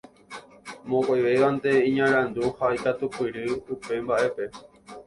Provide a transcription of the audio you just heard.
Mokõivévante iñarandu ha ikatupyry upe mbaʼépe.